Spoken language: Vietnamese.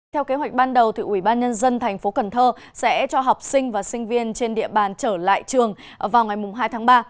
theo kế hoạch ban đầu ủy ban nhân dân thành phố cần thơ sẽ cho học sinh và sinh viên trên địa bàn trở lại trường vào ngày hai tháng ba